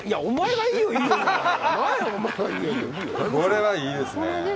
これはいいですね。